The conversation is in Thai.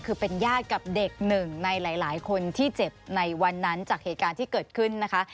คือเป็นญาติกับเด็กหนึ่งในหลายคนที่เจ็บในวันนั้นจากเหตุการณ์ที่เกิดขึ้นนะคะ